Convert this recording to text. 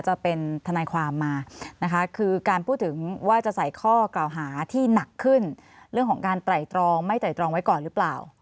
จะเป็นทนายความมานะคะคือการพูดถึงว่าจะใส่ข้อกล่าวหาที่หนักขึ้นเรื่องของการไตรตรองไม่ไตรตรองไว้ก่อนหรือเปล่า